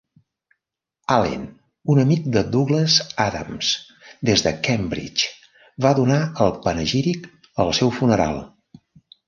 Allen, un amic de Douglas Adams des de Cambridge, va donar el panegíric al seu funeral.